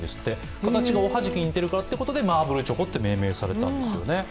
形がおはじきに似てるからということでマーブルと命名されたんですね。